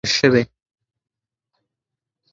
دا ټوټه د یوې کوچنۍ سیارې د ټکر له امله رامنځته شوې.